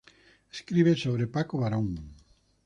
Escribe sobre Paco Barón.